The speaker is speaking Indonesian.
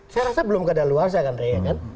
saya rasa belum keadaan luar saya kan rey